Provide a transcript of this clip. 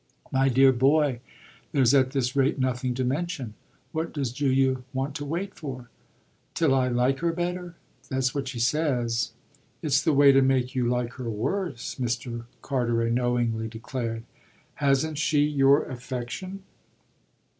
"My dear boy, there's at this rate nothing to mention! What does Julia want to wait for?" "Till I like her better that's what she says." "It's the way to make you like her worse," Mr. Carteret knowingly declared. "Hasn't she your affection?"